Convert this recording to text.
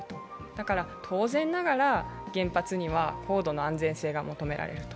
だから当然ながら、原発には高度の安全性が求められる。